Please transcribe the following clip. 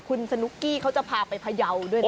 คุณสนุกกี้เขาจะพาไปพยาวด้วยนะ